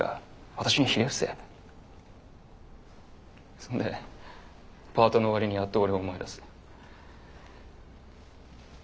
そんでパートの終わりにやっと俺を思い出す。